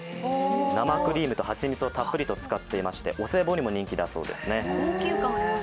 生クリームとはちみつをたっぷりと使っていて、お歳暮にも人気だそうです。